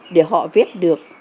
để họ viết được